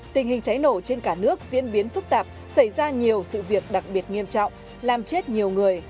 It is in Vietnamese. tình hình cháy nổ trên cả nước diễn biến phức tạp xảy ra nhiều sự việc đặc biệt nghiêm trọng làm chết nhiều người